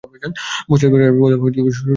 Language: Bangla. পশ্চাদপসরণের পথ শত্রুমুক্ত করা হয়েছে।